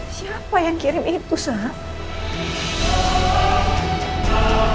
siapa yang kirim itu sama